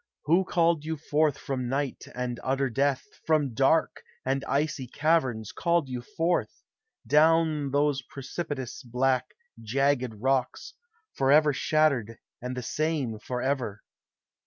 Who called you forth from night and utter death, From dark and icy caverns called yon forth, Down those precipitous, black, jagged rocks, Forever shattered and the same forever?